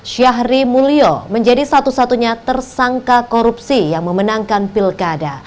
syahri mulyo menjadi satu satunya tersangka korupsi yang memenangkan pilkada